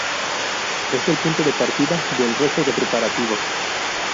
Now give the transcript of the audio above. Es el punto de partida del resto de preparativos.